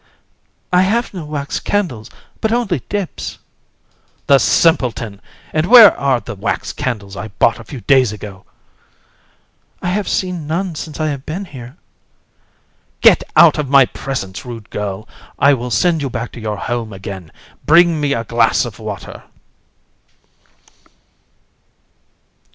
AND. I have no wax candles, but only dips. COUN. The simpleton! And where are the wax candles I bought a few days ago? AND. I have seen none since I have been here. COUN. Get out from my presence, rude girl. I will send you back to your home again. Bring me a glass of water.